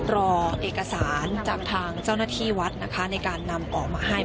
รอเอกสารจากทางเจ้าหน้าที่วัดนะคะในการนำออกมาให้